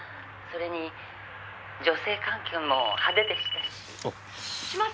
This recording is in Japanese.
「それに女性関係も派手でしたし」